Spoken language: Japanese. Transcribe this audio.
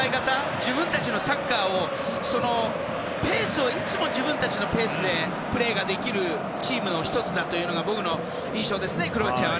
自分たちのサッカーをねいつも自分たちのペースでプレーができるチームの１つだというのが僕の印象ですね、クロアチアは。